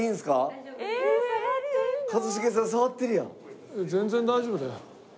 全然大丈夫だよ。